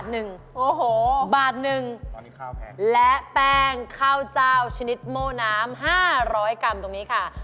นิดหนึ่งและแปงข้าวเจ้าชนิดโม้น้ำ๕๐๐กรัมตรงนี้ค่ะ